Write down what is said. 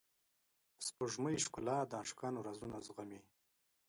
د سپوږمۍ ښکلا د عاشقانو رازونه زغمي.